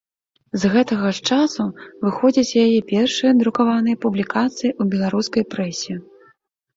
З гэтага ж часу выходзяць яе першыя друкаваныя публікацыі ў беларускай прэсе.